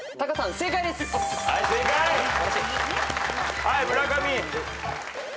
はい村上。